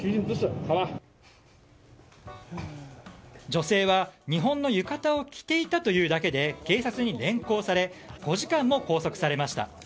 女性は日本の浴衣を着ていたというだけで警察に連行され５時間も拘束されました。